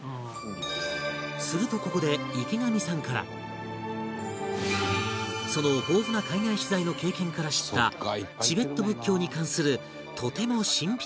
するとここで池上さんからその豊富な海外取材の経験から知ったチベット仏教に関するとても神秘的な話が